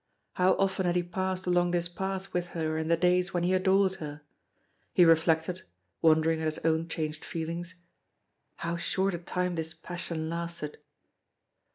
How often had he passed along this path with her in the days when he adored her! He reflected, wondering at his own changed feelings: "How short a time this passion lasted!"